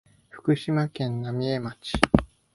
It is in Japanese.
福島県浪江町